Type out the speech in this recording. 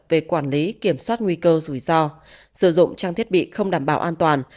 về quản lý kiểm soát nguy cơ rủi ro sử dụng trang thiết bị không đảm bảo an toàn